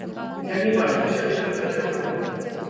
Я не бачыў сябе кантралёрам.